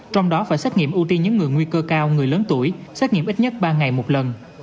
trong đó phải xét nghiệm ưu tiên những người nguy cơ cao người lớn tuổi xét nghiệm ít nhất ba ngày một lần